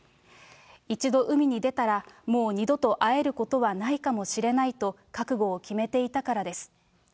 一度海に出たら、もう二度と会えることはないかもしれないと、覚悟を決めていたからです。